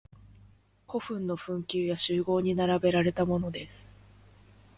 古墳の墳丘や周濠に並べられたものです。